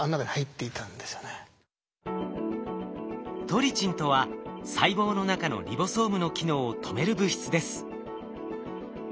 トリチンとは細胞の中のリボソームの機能を止める物質です。